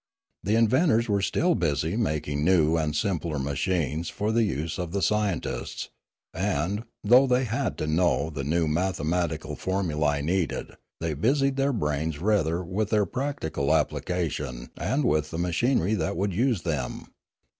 The inventors were still busy making new and simpler machines for the use of the scientists; and, though they had to know the new mathematical formulae needed, they busied their brains rather with their practical application and with the machinery that would use them.